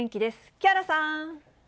木原さん。